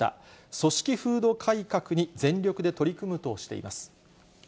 組織風土改革に全力で取り組むとしています。